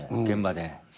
現場で。